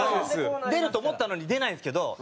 出ると思ったのに出ないんですけど。